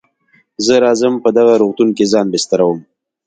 زه راځم په دغه روغتون کې ځان بستروم.